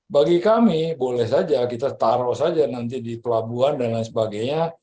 bagi kami boleh saja kita taruh saja nanti di pelabuhan dan lain sebagainya